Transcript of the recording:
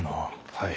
はい。